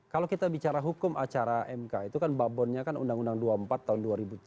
kalau kita bicara hukum acara mk itu kan babonnya kan undang undang dua puluh empat tahun dua ribu tujuh